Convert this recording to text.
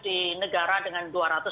di negara dengan dua ratus tujuh puluh